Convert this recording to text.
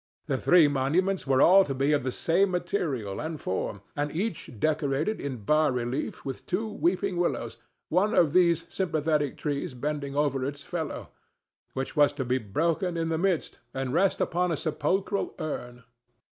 The three monuments were all to be of the same material and form, and each decorated in bas relief with two weeping willows, one of these sympathetic trees bending over its fellow, which was to be broken in the midst and rest upon a sepulchral urn.